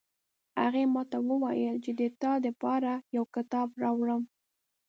هغې ماته وویل چې د تا د پاره یو کتاب راوړم